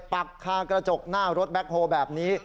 ปักคากระจกหน้ารถแบ็คโฮลแบบนี้